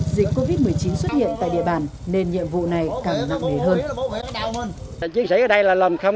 dịch covid một mươi chín xuất hiện tại địa bàn nên nhiệm vụ này càng nặng nề hơn